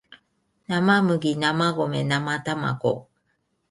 生麦生米生たまご